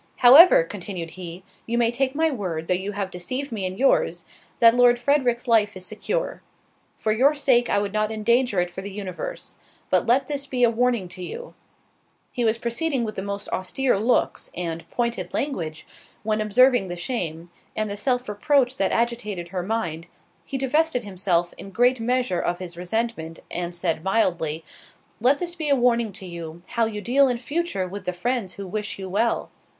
"However," continued he, "you may take my word, though you have deceived me in your's, that Lord Frederick's life is secure. For your sake, I would not endanger it for the universe. But let this be a warning to you"—— He was proceeding with the most austere looks, and pointed language, when observing the shame, and the self reproach that agitated her mind, he divested himself in great measure of his resentment, and said, mildly, "Let this be a warning to you, how you deal in future with the friends who wish you well.